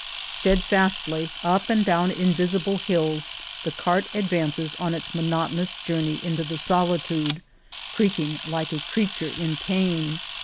Steadfastly, up and down invisible hills, the cart advances on its monotonous jour ney into the solitude, creaking like a creat ure in pain.